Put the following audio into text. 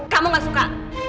kamu gak suka